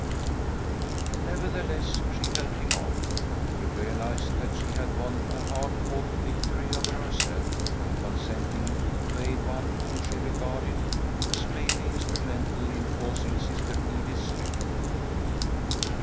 'Nevertheless she helped him on. He realised that she had won a hard fought victory over herself in consenting to aid one whom she regarded as mainly instrumental in causing Sister Edith's death.